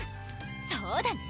そうだね